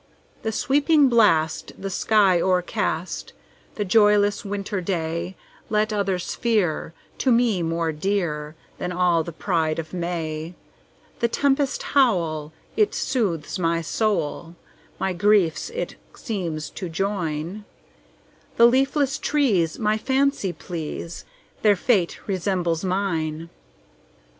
"The sweeping blast, the sky o'ercast,"The joyless winter dayLet others fear, to me more dearThan all the pride of May:The tempest's howl, it soothes my soul, My griefs it seems to join; The leafless trees my fancy please, Their fate resembles mine!